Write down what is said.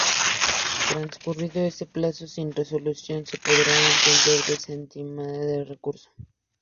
Transcurrido este plazo sin resolución se podrá entender desestimado el recurso.